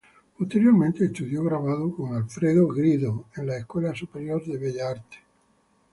Posteriormente estudió grabado con Alfredo Guido en la Escuela Superior de Bellas Artes.